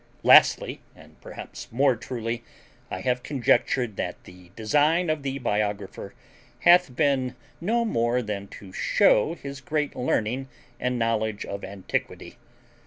Lastly, and perhaps more truly, I have conjectured that the design of the biographer hath been no more than to shew his great learning and knowledge of antiquity.